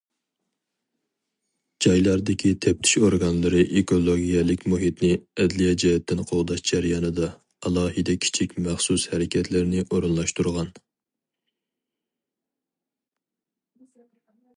جايلاردىكى تەپتىش ئورگانلىرى ئېكولوگىيەلىك مۇھىتنى ئەدلىيە جەھەتتىن قوغداش جەريانىدا، ئالاھىدە كىچىك مەخسۇس ھەرىكەتلەرنى ئورۇنلاشتۇرغان.